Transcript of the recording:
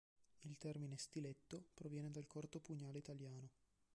Il termine "stiletto" proviene dal corto pugnale italiano.